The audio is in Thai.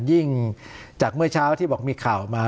ยิ่งจากเมื่อเช้าที่บอกมีข่าวมา